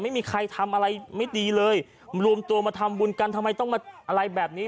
ไม่มีใครทำอะไรไม่ดีเลยรวมตัวมาทำบุญกันทำไมต้องมาอะไรแบบนี้